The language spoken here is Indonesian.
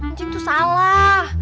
ncing tuh salah